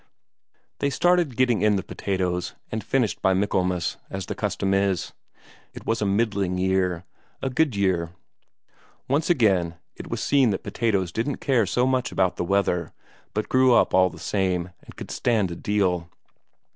They started getting in the potatoes, and finished by Michaelmas, as the custom is. It was a middling year a good year; once again it was seen that potatoes didn't care so much about the weather, but grew up all the same, and could stand a deal.